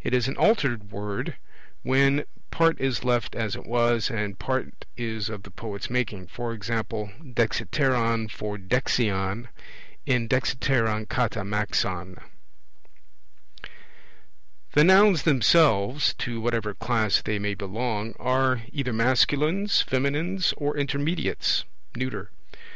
It is an altered word, when part is left as it was and part is of the poet's making; e.g. dexiteron for dexion, in dexiteron kata maxon. The Nouns themselves (to whatever class they may belong) are either masculines, feminines, or intermediates (neuter).